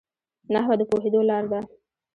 نحوه د پوهېدو لار ده.